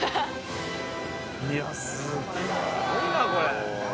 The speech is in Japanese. いやすごいなこれ。